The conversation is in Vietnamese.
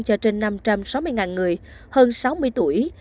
cho trên năm trăm sáu mươi người hơn sáu mươi tuổi